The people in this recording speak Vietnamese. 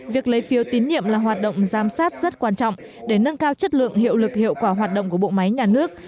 việc lấy phiếu tín nhiệm là hoạt động giám sát rất quan trọng để nâng cao chất lượng hiệu lực hiệu quả hoạt động của bộ máy nhà nước